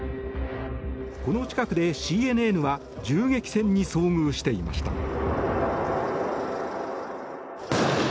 この近くでＣＮＮは銃撃戦に遭遇していました。